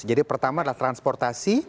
jadi pertama adalah transportasi